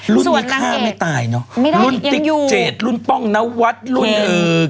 รุ่นนี้ฆ่าไม่ตายเนอะรุ่นติ๊กเจดรุ่นป้องนวัดรุ่นเออ